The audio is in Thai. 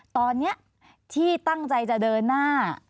ตอนนี้ที่ตั้งใจจะเดินหน้า